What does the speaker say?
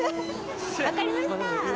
「分かりました」